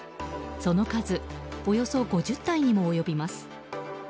その数およそ５０体にも及びます。